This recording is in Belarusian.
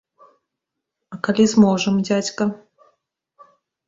А калі зможам, дзядзька?